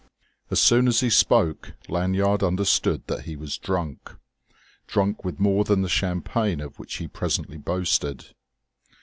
As soon as he spoke Lanyard understood that he was drunk, drunk with more than the champagne of which he presently boasted.